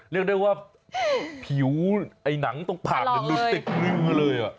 เรียกได้ว่าผิวไอ้หนังตรงผ่านดุสติกรึ้งมาเลย